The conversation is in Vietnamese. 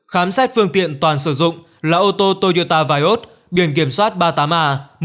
khám xét phương tiện toàn sử dụng là ô tô toyota vios biển kiểm soát ba mươi tám a một mươi một nghìn ba trăm tám mươi